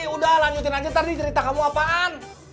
udah lanjutin aja ntar nih cerita kamu apaan